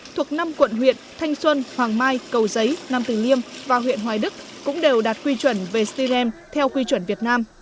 thuộc năm quận huyện thanh xuân hoàng mai cầu giấy nam tử liêm và huyện hoài đức cũng đều đạt quy chuẩn về styren theo quy chuẩn việt nam